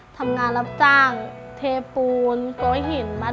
ทำงานรับจ้างเทปูนโก้หินบรรยากาศ